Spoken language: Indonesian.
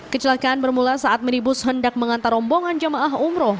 kecelakaan bermula saat minibus hendak mengantar rombongan jamaah umroh